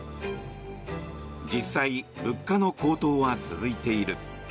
実際、物価の高騰は続いている。